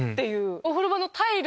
お風呂場のタイル